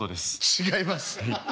違います。